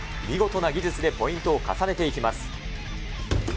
見事な技術でポイントを重ねていきます。